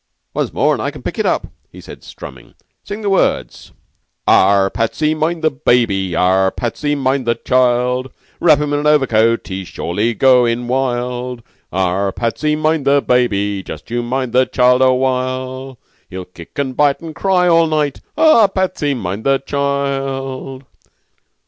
"Once more, and I can pick it up," he said, strumming. "Sing the words." "Arrah, Patsy, mind the baby! Arrah, Patsy, mind the child! Wrap him in an overcoat, he's surely going wild! Arrah, Patsy, mind the baby! just you mind the child awhile! He'll kick and bite and cry all night! Arrah, Patsy, mind the child!"